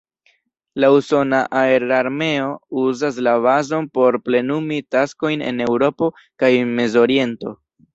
La usona aerarmeo uzas la bazon por plenumi taskojn en Eŭropo kaj Mez-Oriento.